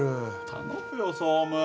頼むよ総務。